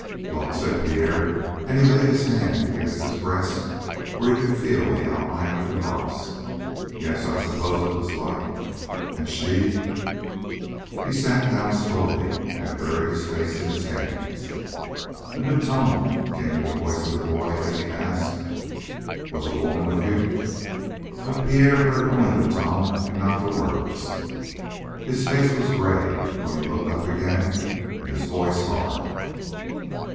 "Luck?" said Pierre and he laid his hand against his breast where he could feel the outline of the cross. "Yes, I suppose it was luck. And she " He sat down slowly and buried his face in his hands. A new tone came in the voice of the boy as he asked: "Was a woman with you?" But Pierre heard only the tone and not the words. His face was gray when he looked up again, and his voice hard.